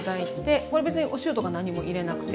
これ別にお塩とか何も入れなくて。